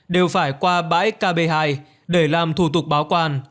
đều phải qua bãi kb hai để làm thủ tục báo quan